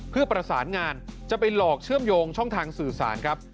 เพื่อประสานงานจะไปหลอกเชื่อมโยงช่องทางสื่อสารครับ